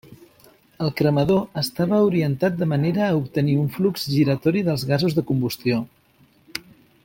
El cremador estava orientat de manera a obtenir un flux giratori dels gasos de combustió.